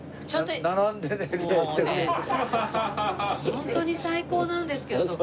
ホントに最高なんですけど徳さん。